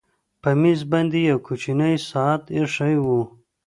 په مېز باندې یو کوچنی ساعت ایښی و